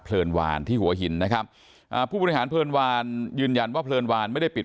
เลินวานที่หัวหินนะครับอ่าผู้บริหารเพลินวานยืนยันว่าเพลินวานไม่ได้ปิด